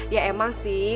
ya emang sih